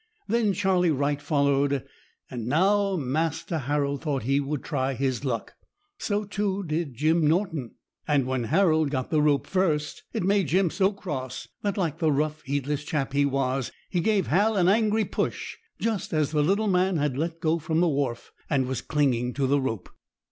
Then Charley Wright followed. And now Master Harold thought he would try his luck. So, too, did Jim Norton; and when Harold got the rope first, it made Jim so cross that, like the rough, heedless chap he was, he gave Hal an angry push just as the little man had let go from the wharf, and was clinging to the rope.